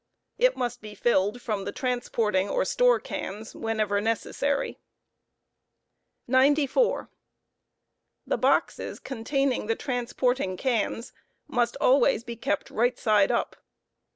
It must filled from the transporting or store cans whenever necessary. 94. The boxes containing the transporting cans must always be kept right side up.